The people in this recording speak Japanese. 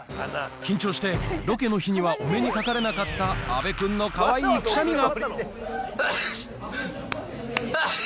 緊張して、ロケの日にはお目にかかれなかった阿部君のかわいいくしゃみが。